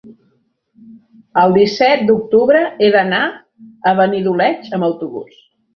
El disset d'octubre he d'anar a Benidoleig amb autobús.